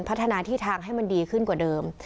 พัฒนาที่ทางให้มันดีขึ้นกว่าเดิม